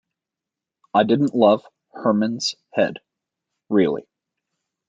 I didn't love "Herman's Head", really.